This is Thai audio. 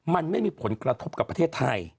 มันไม่มีผลกระทบกับประเทศไทย